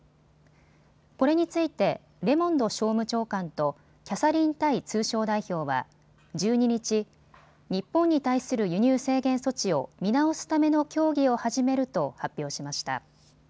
これについてレモンド商務長官とキャサリン・タイ通商代表は１２日、日本に対する輸入制限措置を見直すための協議を始めると発表しました。